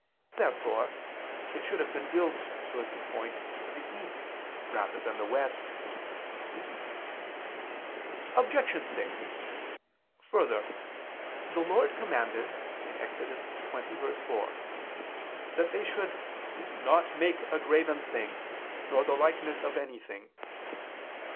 Therefore it should have been built so as to point to the east rather than the west. Obj. 6: Further, the Lord commanded (Ex. 20:4) that they should "not make ... a graven thing, nor the likeness of anything."